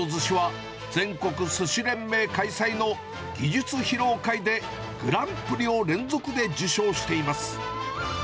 金太ろうずしは、全国すし連盟開催の技術披露会でグランプリを連続で受賞しています。